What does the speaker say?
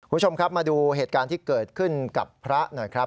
คุณผู้ชมครับมาดูเหตุการณ์ที่เกิดขึ้นกับพระหน่อยครับ